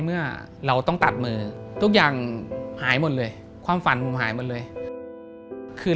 เราก็อย่าไปสวนแกนไปเลยครับ